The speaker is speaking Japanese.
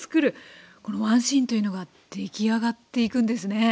この１シーンというのが出来上がっていくんですね。